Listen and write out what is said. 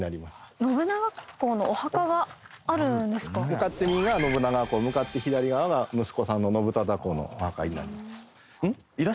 向かって右が信長公向かって左側が息子さんの信忠公のお墓になります。